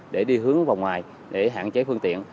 để đi hướng vào ngoài để hạn chế phương tiện